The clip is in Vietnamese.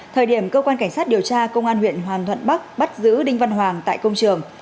thời điểm cơ quan cảnh sát điều tra công an huyện hoàn thuận bắc bắt giữ đinh văn hoàng tại công trường